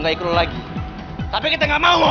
daripada gabung sama lo